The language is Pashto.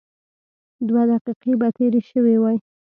دوه دقيقې به تېرې شوې وای.